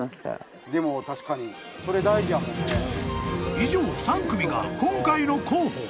［以上３組が今回の候補］